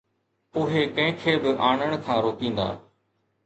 اهي ڪنهن کي به آڻڻ کان روڪيندا.